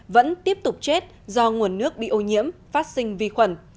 vẫn tiếp tục chết do nguồn nước bị ô nhiễm phát sinh vi khuẩn